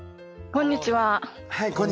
こんにちは。